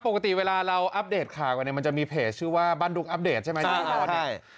ปกติเวลาเราอัปเดตค่ะวันนี้มันจะมีเพจชื่อว่าบ้านดูงอัปเดตใช่ไหม